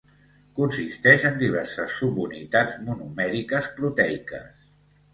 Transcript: Consisteix en diverses subunitats monomèriques proteiques.